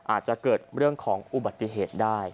อาจจะเกิดเรื่องของอุบัติเหตุได้